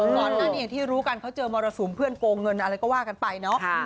ก่อนหน้านี้อย่างที่รู้กันเขาเจอมรสุมเพื่อนโกงเงินอะไรก็ว่ากันไปเนาะ